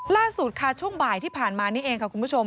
ล่าสุดค่ะช่วงบ่ายที่ผ่านมานี่เองค่ะคุณผู้ชม